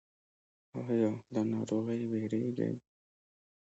ایا له ناروغۍ ویریږئ؟